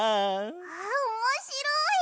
わあおもしろい！